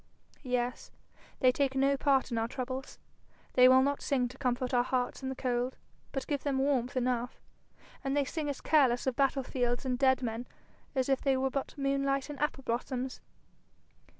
'Yes; they take no part in our troubles. They will not sing to comfort our hearts in the cold; but give them warmth enough, and they sing as careless of battle fields and dead men as if they were but moonlight and apple blossoms.'